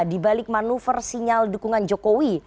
di balik manuver sinyal dukungan jokowi